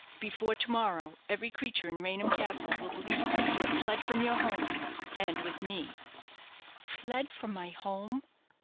Before to morrow every creature in Raynham Castle will believe that you have fled from your home, and with me " "Fled from my home!"